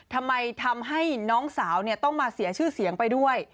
ทำไมทำให้น้องสาวต้องมาเสียชื่อเสียงไปด้วย